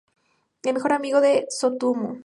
El mejor amigo de Tsutomu.